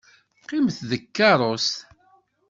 Qqimet deg tkeṛṛust.